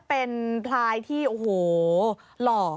เป็นพลายที่โอ้โหหล่อ